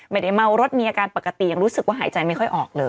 ไม่ได้เมารถมีอาการปกติยังรู้สึกว่าหายใจไม่ค่อยออกเลย